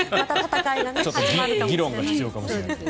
ちょっと議論が必要かもしれないです。